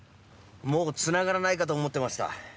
もうつながらないかと思ってました。